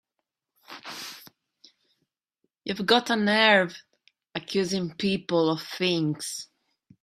You've got a nerve accusing people of things!